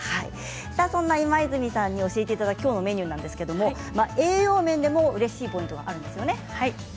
そんな今泉さんに教えていただくきょうのメニューなんですけれども栄養面でもうれしいポイントがあるんですよね。